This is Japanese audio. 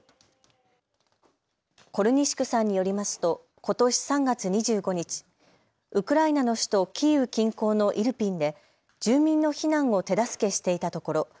コルニシュクさんによりますとことし３月２５日、ウクライナの首都キーウ近郊のイルピンで住民の避難を手助けしていたところ